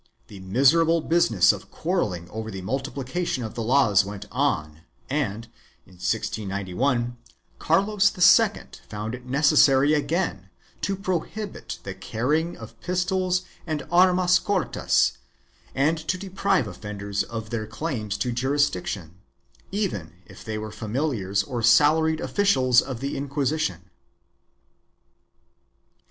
The miserable business of quarrelling over the multiplication of the laws went on and, in 1691, Carlos II found it necessary again to prohibit the carrying of pistols and armas cortas and to deprive offenders of their claims to jurisdic tion, even if they were familiars or salaried officials of the Inqui sition.